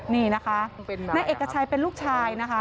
ในเอกชายเป็นลูกชายนะคะ